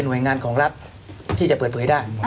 หน่วยงานของรัฐที่จะเปิดเผยได้